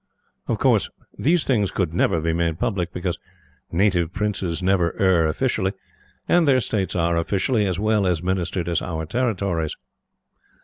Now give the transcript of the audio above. Of course, these things could never be made public, because Native Princes never err officially, and their States are, officially, as well administered as Our territories.